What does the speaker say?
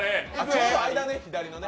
ちょうど間ね、左のね。